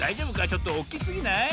ちょっとおっきすぎない？